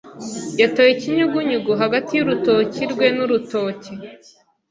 Yatoye ikinyugunyugu hagati y'urutoki rwe n'urutoki.